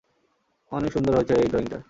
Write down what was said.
অনেক সুন্দর হয়েছে এই ড্রয়িংটা।